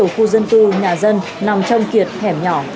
khu dân cư nhà dân nằm trong kiệt hẻm nhỏ